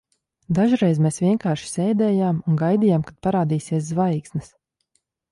Dažreiz mēs vienkārši sēdējām un gaidījām, kad parādīsies zvaigznes.